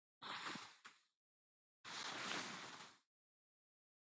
Llapa uywankunamanmi aśhllay aawaśhta ćhuqaqlun.